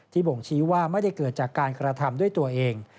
บ่งชี้ว่าไม่ได้เกิดจากการกระทำด้วยตัวเอง